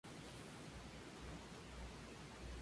En ruso, Kira quiere decir "alegre".